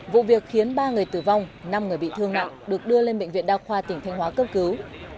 vụ việc khiến ba người tử vong năm người bị thương nặng được đưa lên bệnh viện đa khoa tỉnh thanh hóa cấp cứu